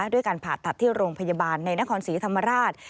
ด้วยการผ่าตัดที่โรงพยาบาลในนครศรีธรรมราช